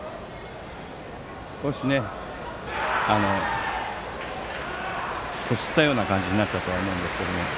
少しこすったような感じになったと思うんですけど。